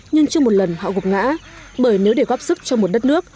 nhưng chưa một lần họ gục ngã bởi nếu để góp sức cho một đất nước